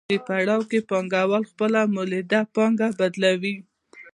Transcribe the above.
په دې پړاو کې پانګوال خپله مولده پانګه بدلوي